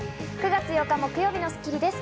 ９月８日、木曜日の『スッキリ』です。